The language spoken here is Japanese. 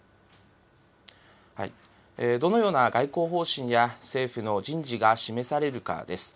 どのような外交方針や、政府の人事が示されるかです。